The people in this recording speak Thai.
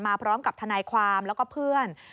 พร้อมกับทนายความแล้วก็เพื่อน